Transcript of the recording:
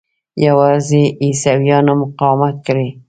یوازې عیسویانو مقاومت کړی.